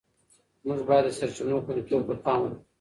موږ باید د سرچینو خوندیتوب ته پام وکړو.